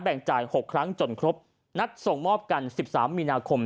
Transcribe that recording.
จ่าย๖ครั้งจนครบนัดส่งมอบกัน๑๓มีนาคม